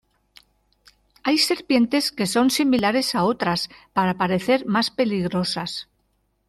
Hay serpientes que son similares a otras para parecer más peligrosas.